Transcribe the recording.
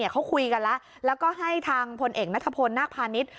เขาคุยกันแล้วแล้วก็ให้ทางพลเอกนัทพลนาคพาณิชย์